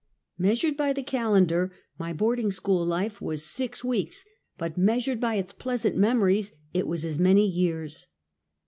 Measueed by the calendar, my boarding school life was six weeks; but measured by its pleasant memo ries, it was as many years.